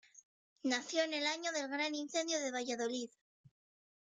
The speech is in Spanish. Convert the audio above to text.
Nació en el año del gran incendio de Valladolid.